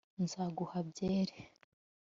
nzaguha byeri